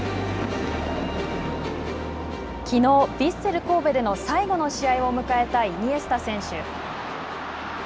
きのうヴィッセル神戸での最後の試合を迎えたイニエスタ選手。